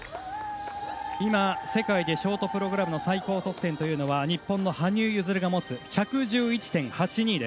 今、世界でショートプログラムの最高得点というのは日本の羽生結弦が持つ１１１．８２。